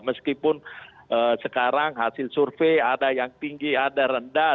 meskipun sekarang hasil survei ada yang tinggi ada rendah